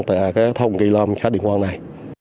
tại cái thôn kỳ lam xã điện quang này